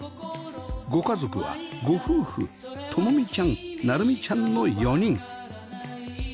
ご家族はご夫婦伴美ちゃん成美ちゃんの４人